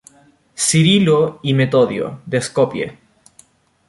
Cirilo y Metodio“ de Skopje.